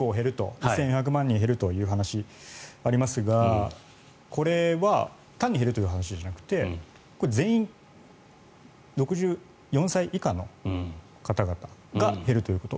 １４００万人減るという話がありますがこれは単に減るという話じゃなくて全員６４歳以下の方々が減るということ。